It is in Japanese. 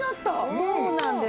そうなんです。